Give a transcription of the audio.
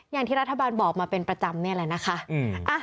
อย่างที่รัฐบาลบอกมาเป็นประจำนี่แหละนะคะ